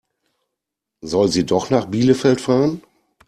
Soll sie doch nach Bielefeld fahren?